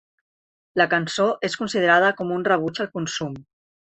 La cançó és considerada com un rebuig al consum.